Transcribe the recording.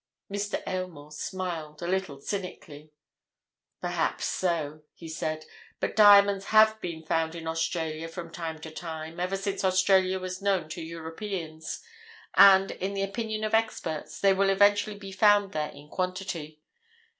Mr. Aylmore smiled—a little cynically. "Perhaps so," he said. "But diamonds have been found in Australia from time to time, ever since Australia was known to Europeans, and in the opinion of experts, they will eventually be found there in quantity.